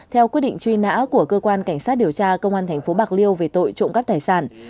theo quy định truy nã của cơ quan cảnh sát điều tra công an thành phố bạc liêu về tội trộm cắt tài sản